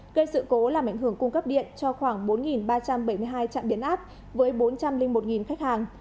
gây sự cố làm ảnh hưởng cung cấp điện cho khoảng bốn ba trăm bảy mươi hai trạm biến áp với bốn trăm linh một khách hàng